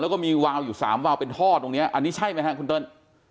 แล้วก็มีวาวอยู่๓วาวเป็นท่อตรงนี้อันนี้ใช่ไหมครับคุณเติ้ล